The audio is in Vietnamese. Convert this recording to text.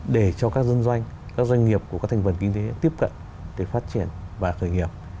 để cho các doanh nghiệp của các thành phần kinh tế tiếp cận để phát triển và khởi nghiệp